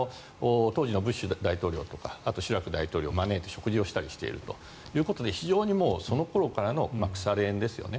ブッシュ大統領とかあとはシラク大統領を招いて食事したりしているということでその頃からの腐れ縁ですよね。